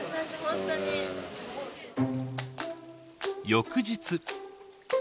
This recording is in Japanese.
翌日。